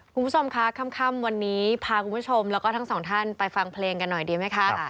คุณผู้ชมคะค่ำวันนี้พาคุณผู้ชมแล้วก็ทั้งสองท่านไปฟังเพลงกันหน่อยดีไหมคะ